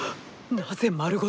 なぜ丸ごと